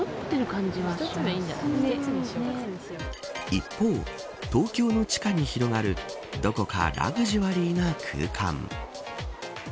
一方、東京の地下に広がるどこかラグジュアリーな空間。